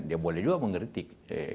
dia boleh juga mengkritik